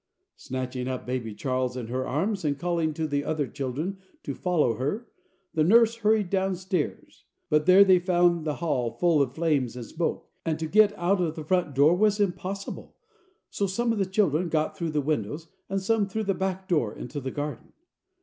Snatching up baby Charles in her arms, and calling to the other children to follow her, the nurse hurried down stairs. But there they found the hall full of flames and smoke, and to get out of the front door was impossible. So some of the children got through the windows and some through the back door into the garden.